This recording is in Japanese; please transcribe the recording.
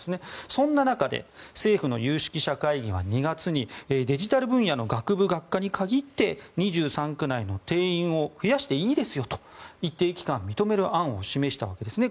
そんな中で政府の有識者会議が２月にデジタル分野の学部・学科に限って２３区内の定員を増やしていいですよと一定期間認める案を示したんですね。